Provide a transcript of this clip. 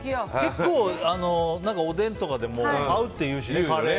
結構、おでんとかでも合うっていうしね。